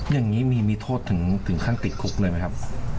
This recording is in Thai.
อย่างนี้มีโทษถึงขั้นติดคุกเลยไหมครับ